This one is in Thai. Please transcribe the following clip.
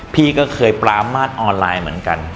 พี่ก็เคยปรามาทออนไลน์เหมือนกัน